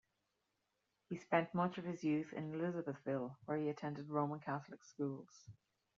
He spent much of his youth in Elizabethville, where he attended Roman Catholic schools.